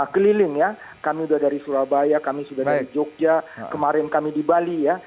keliling ya kami sudah dari surabaya kami sudah dari jogja kemarin kami di bali ya